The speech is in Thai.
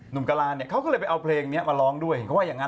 หนุ่มกะลาเขาก็เลยไปเอาเพลงนี้มาร้องด้วย